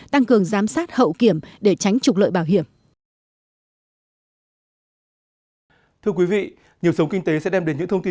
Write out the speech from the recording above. tăng cường giám sát hậu kiểm để tránh trục lợi bảo hiểm